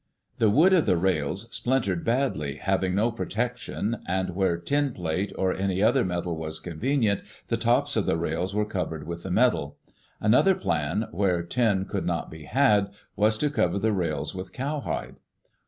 The wood of the rails splintered badly, having no protection, and where tin plate or any other metal was convenient the tops of the rails were covered with the metal. Another plan, where tin could not be had, was to cover the rails with cowhide.